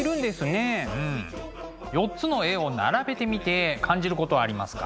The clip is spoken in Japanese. ４つの絵を並べてみて感じることありますか？